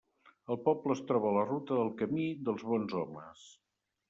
El poble es troba a la ruta del Camí dels bons homes.